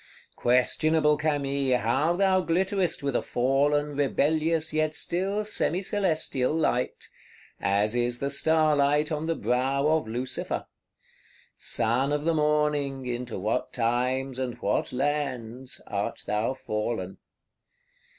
Questionable Camille, how thou glitterest with a fallen, rebellious, yet still semi celestial light; as is the star light on the brow of Lucifer! Son of the Morning, into what times and what lands, art thou fallen!